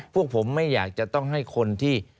พวกผมไม่อยากจะต้องให้คนที่